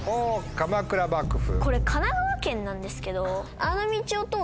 「鎌倉幕府」。